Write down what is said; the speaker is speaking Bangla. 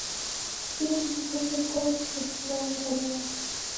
তিন্নি কিছুক্ষণ চুপ করে থেকে বলল, আমি জানি না।